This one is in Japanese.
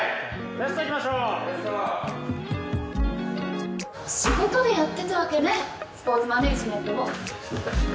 ラストいきましょう「仕事でやってたわけねスポーツマネジメントを」